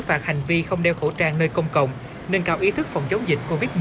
phạt hành vi không đeo khẩu trang nơi công cộng nâng cao ý thức phòng chống dịch covid một mươi chín